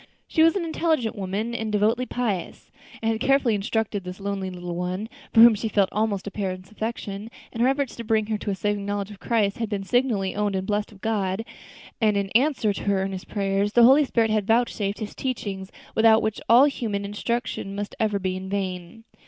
She was an intelligent woman and devotedly pious, and had carefully instructed this lonely little one, for whom she felt almost a parent's affection, and her efforts to bring her to a saving knowledge of Christ had been signally owned and blessed of God; and in answer to her earnest prayers, the Holy Spirit had vouchsafed His teachings, without which all human instruction must ever be in vain.